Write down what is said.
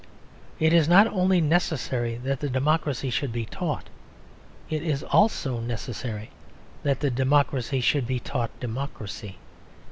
It is not only necessary that the democracy should be taught; it is also necessary that the democracy should be taught democracy.